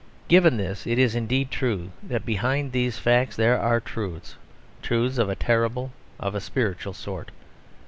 Given this, it is indeed true that behind these facts there are truths; truths of a terrible, of a spiritual sort.